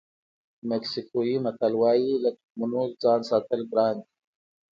مکسیکوي متل وایي له تخمونو ځان ساتل ګران دي.